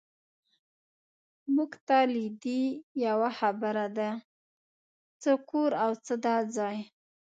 مونږ ته لیدې، یوه خبره ده، څه کور او څه دا ځای.